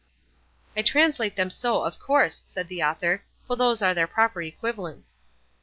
"I translate them so of course," said the author, "for those are their proper equivalents."